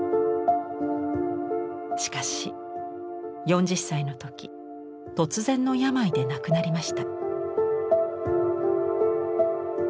しかし４０歳の時突然の病で亡くなりました。